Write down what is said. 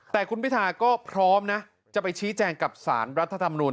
แต่คุณพิธาก็พร้อมนะจะไปชี้แจงกับสารรัฐธรรมนูล